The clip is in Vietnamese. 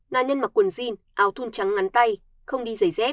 nạn nhân mặc quần jean áo thun trắng ngắn tay không đi giày dép